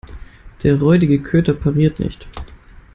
Der räudige Köter pariert nicht.